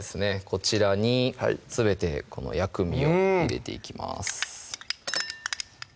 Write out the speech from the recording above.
こちらにすべてこの薬味を入れていきます